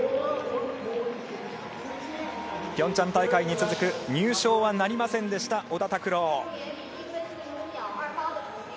平昌大会に続く入賞はなりませんでした小田卓朗。